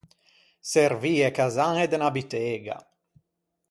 Servî e casañe de unna butega.